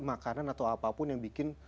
makanan atau apapun yang bikin